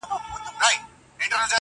o توري دي لالا کوي، مزې دي عبدالله کوي.